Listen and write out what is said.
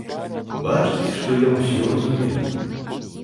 Бачыць, што я ўсё разумею.